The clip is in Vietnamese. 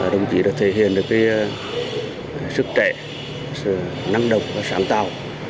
đồng chí đã thể hiện được sức trẻ sự năng động và sáng tạo